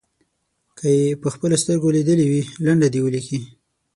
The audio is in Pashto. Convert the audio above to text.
که یې په خپلو سترګو لیدلې وي لنډه دې ولیکي.